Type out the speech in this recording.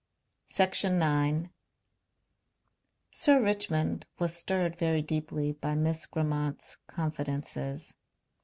Section 9 Sir Richmond was stirred very deeply by Miss Grammont's confidences.